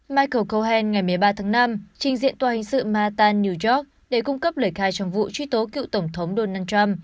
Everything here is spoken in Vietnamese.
microhen ngày một mươi ba tháng năm trình diện tòa hình sự mattan new york để cung cấp lời khai trong vụ truy tố cựu tổng thống donald trump